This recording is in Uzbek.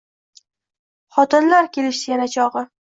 Xotinlar kelishdi yana chog‘i.